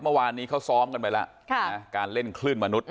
เมื่อวานนี้เขาซ้อมกันไปแล้วการเล่นคลื่นมนุษย